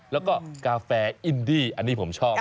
แล้วก็กาแฟอินดี้อันนี้ผมชอบ